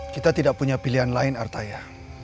kita tidak punya pilihan lain artaya